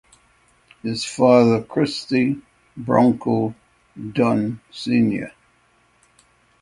His father Christy "Bronco" Dunne Snr.